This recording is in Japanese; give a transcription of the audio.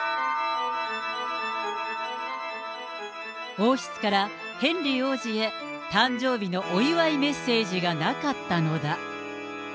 王室からヘンリー王子へ、誕生日のお祝いメッセージがなかったのだ。